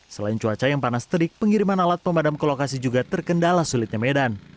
selain cuaca yang panas terik pengiriman alat pemadam ke lokasi juga terkendala sulitnya medan